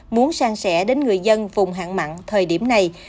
muốn sang sẻ đến người dân vùng hạn mặn thời điểm này